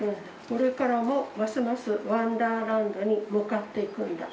「これからもますますワンダーランドに向かっていくんだ」。